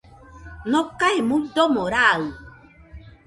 Nokae muidomo raɨ